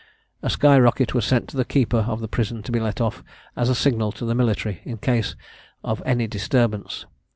A sky rocket was sent to the keeper of the prison to be let off, as a signal to the military, in case of any disturbance.